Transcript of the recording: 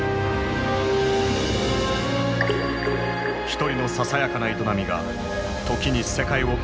一人のささやかな営みが時に世界を変えることがある。